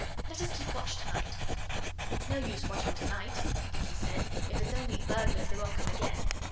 Let us keep watch to night.' 'It's no use watching to night,' Dicky said; 'if it's only burglars they won't come again.